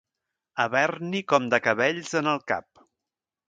Haver-n'hi com de cabells en el cap.